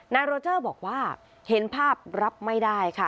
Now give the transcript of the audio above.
โรเจอร์บอกว่าเห็นภาพรับไม่ได้ค่ะ